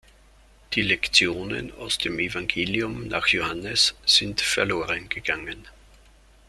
Die Lektionen aus dem Evangelium nach Johannes sind verlorengegangen.